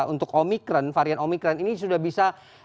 untuk omikron varian omikron ini sudah bisa